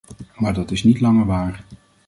Maar dat is niet langer waar.